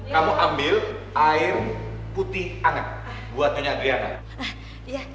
kamu ambil air putih anget buat nyonya adriana